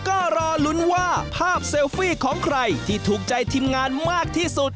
ก็รอลุ้นว่าภาพเซลฟี่ของใครที่ถูกใจทีมงานมากที่สุด